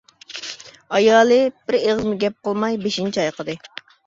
ئايالى بىر ئېغىزمۇ گەپ قىلماي بېشىنى چايقىدى.